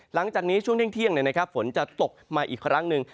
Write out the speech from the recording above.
หลังจากนี้ช่วงเที่ยงฝนจะตกมาอีกครั้งหนึ่ง